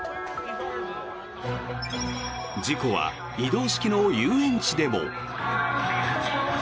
事故は移動式の遊園地でも。